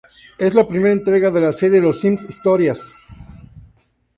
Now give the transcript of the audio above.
Es la primera entrega de la serie "Los Sims historias".